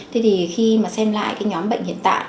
thế thì khi mà xem lại cái nhóm bệnh hiện tại